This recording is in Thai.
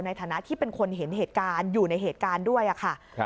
ในฐานะที่เป็นคนเห็นเหตุการณ์อยู่ในเหตุการณ์ด้วยค่ะ